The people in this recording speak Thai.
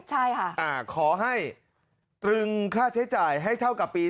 ใช่ค่ะอ่าขอให้ตรึงค่าใช้จ่ายให้เท่ากับปี๒๕